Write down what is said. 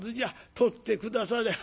取って下され」。